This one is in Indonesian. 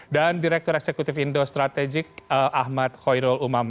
dan direktur eksekutif indo strategik ahmad khoirol umam